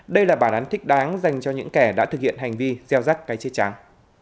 đây là bản án thích đáng dành cho những kẻ đã thực hiện hành vi gieo rắc cái chết trắng